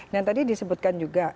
dan tadi disebutkan juga